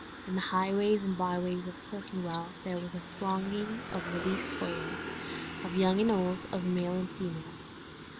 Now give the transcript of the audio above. In the highways and byways of Clerkenwell there was a thronging of released toilers, of young and old, of male and female.